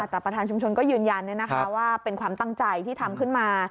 แต่ประธานชุมชนก็ยืนยันว่าเป็นความตั้งใจที่ทำขึ้นมา